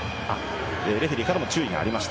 レフェリーからも注意がありました。